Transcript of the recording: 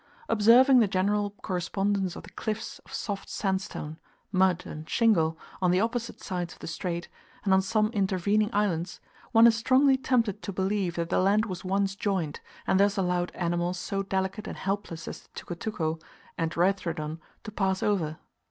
Observing the general correspondence of the cliffs of soft sandstone, mud, and shingle, on the opposite sides of the Strait, and on some intervening islands, one is strongly tempted to believe that the land was once joined, and thus allowed animals so delicate and helpless as the tucutuco and Reithrodon to pass over.